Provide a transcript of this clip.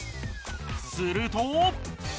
すると。